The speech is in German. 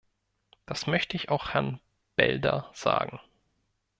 Das möchte ich auch Herrn Belder sagen.